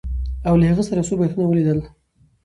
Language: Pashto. او له هغه سره یو څو بیتونه ولیدل